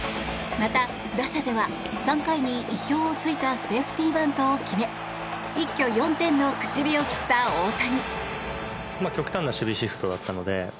また打者では３回に意表を突いたセーフティーバントを決め一挙４点の口火を切った大谷。